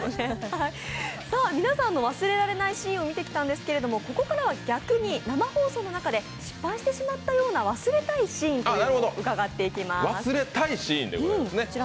皆さんの忘れられないシーンを見てきたんですけども、ここからは逆に生放送の中で失敗してしまったような、忘れたいシーンというのを伺っていきます。